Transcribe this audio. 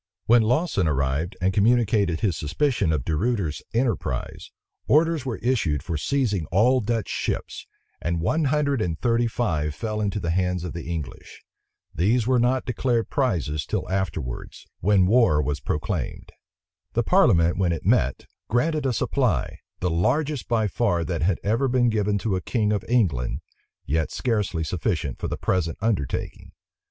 When Lawson arrived, and communicated his suspicion of De Ruyter's enterprise, orders were issued for seizing all Dutch ships; and one hundred and thirty five fell into the hands of the English. These were not declared prizes till afterwards, when war was proclaimed. The parliament, when it met, granted a supply, the largest by far that had ever been given to a king of England, yet scarcely sufficient for the present undertaking.